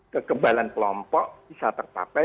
kekebalan kelompok bisa tertapai